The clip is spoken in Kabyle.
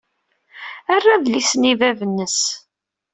Err adlis-nni i bab-nnes.